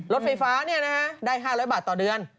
รถไฟฟ้าได้๕๐๐บาทต่อเดือน